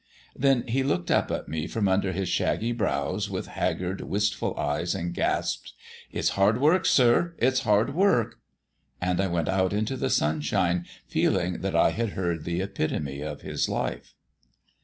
Then he looked up at me from under his shaggy brows with haggard, wistful eyes, and gasped: "It's hard work, sir; it's hard work." And I went out into the sunshine, feeling that I had heard the epitome of his life.